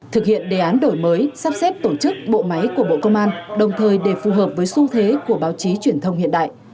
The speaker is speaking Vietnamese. thực hiện đề án đổi mới sắp xếp tổ chức bộ máy của bộ công an đồng thời để phù hợp với xu thế của báo chí truyền thông hiện đại